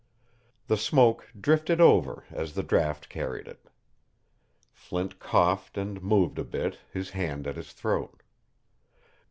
The smoke drifted over as the draught carried it. Flint coughed and moved a bit, his hand at his throat.